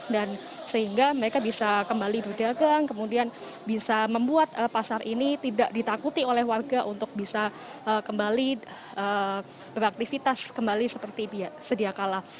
dan sehingga mereka bisa kembali berdagang kemudian bisa membuat pasar ini tidak ditakuti oleh warga untuk bisa kembali beraktifitas kembali seperti sedia kalah